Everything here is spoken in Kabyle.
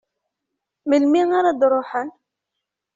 Melmi ara d-ruḥen?